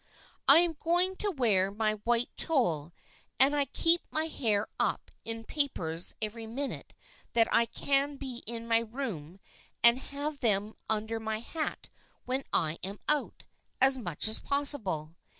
I am going to wear my white tulle, and I keep my hair up in papers every minute that I can be in my room and have them under my hat when I am out, as much as possible.